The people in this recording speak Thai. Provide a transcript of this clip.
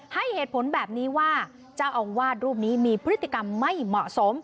ให้เหตุผลแบบนี้ว่าเจ้าอาวาสรูปนี้มีพฤติกรรมไม่เหมาะสม